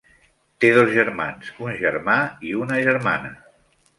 Té dos germans, un germà i una germana.